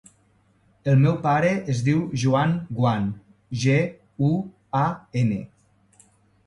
El meu pare es diu Joan Guan: ge, u, a, ena.